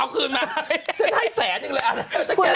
เอาคืนมาฉันให้แสนนึงเลย